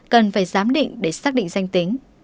cần phải giám định để xác định danh tính